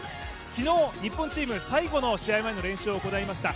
昨日、日本チーム、最後の試合前の練習を行いました。